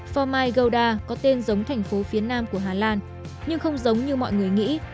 phò mai gouda có tên giống thành phố phía nam của hà lan nhưng không giống như mọi người nghĩ